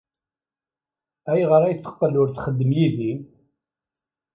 Ayɣer ay teqqel ur txeddem yid-i?